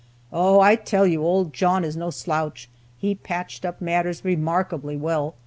Oh! I tell you, old John is no slouch; he patched up matters remarkably well.